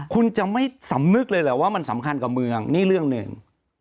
คุณจะไม่สำนึกเลยเหรอว่ามันสำคัญกับเมืองนี่เรื่องหนึ่ง